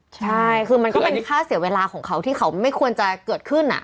ใช่คือมันก็เป็นค่าเสียเวลาของเขาที่เขาไม่ควรจะเกิดขึ้น